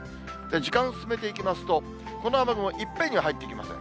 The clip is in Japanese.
時間進めていきますと、この雨雲、いっぺんには入ってきません。